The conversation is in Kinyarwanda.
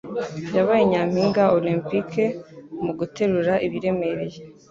Yabaye nyampinga olempike mu guterura ibiremereye.